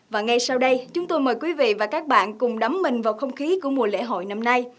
và ngay sau đây chúng tôi mời quý vị và các bạn cùng đắm mình vào không khí của mùa lễ hội năm nay